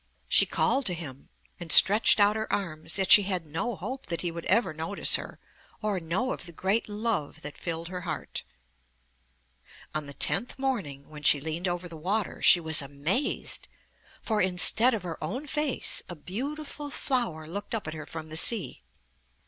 She called to him and stretched out her arms, yet she had no hope that he would ever notice her or know of the great love that filled her heart. On the tenth morning, when she leaned over the water, she was amazed, for instead of her own face, a beautiful flower looked up at her from the sea.